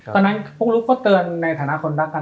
ตอนนั้นพวกลูกพ่อเตือนในฐานะคนรักกัน